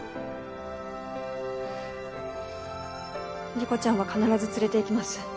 理子ちゃんは必ず連れていきます。